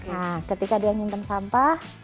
nah ketika dia nyimpan sampah